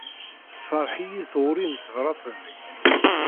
Tessefṛeḥ-iyi tɣuri n tebṛat-nnek.